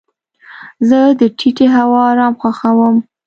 زه د ټیټې هوا ارام خوښوم.